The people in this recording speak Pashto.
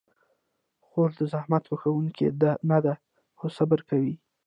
خور د زحمت خوښونکې نه ده، خو صبر کوي.